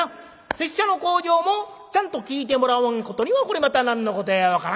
拙者の口上もちゃんと聞いてもらわんことにはこれまた何のことやら分からん。